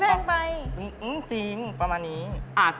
๑๙๙บาทป่ะไม่รู้จริงประมาณนี้อุ้ยแพงไป